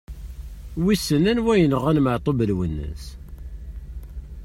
Wissen anwa yenɣan Maɛtub Lwennas?